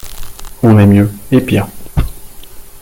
On est mieux, et pire.